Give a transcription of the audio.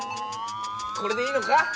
これでいいのか？